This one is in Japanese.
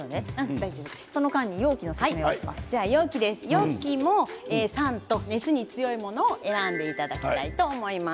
容器も酸と熱に強いものを選んでいただきたいと思います。